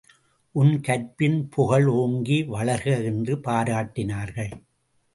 உன் கற்பின் புகழ் ஓங்கி வளர்க! என்று பாராட்டினாள்.